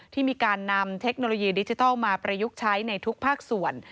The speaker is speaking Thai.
ที่มีการนำเทคโนโลยีดิจิทัลมาประยุกต์ใช้ในทุกภาคส่วน